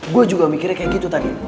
gue juga mikirnya kayak gitu tadi